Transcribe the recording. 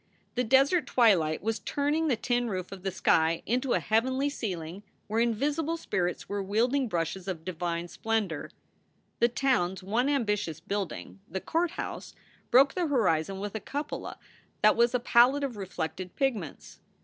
The desert twilight was turning the tin roof of the sky into a heavenly ceiling where invisible spirits were wielding brushes of divine splendor. The town s one ambitious building, the courthouse, broke SOULS FOR SALE 109 the horizon with a cupola that was a palette of reflected pigments.